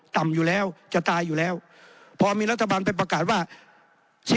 ต่ำอยู่แล้วจะตายอยู่แล้วพอมีรัฐบาลไปประกาศว่า